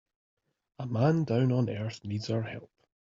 A man down on earth needs our help.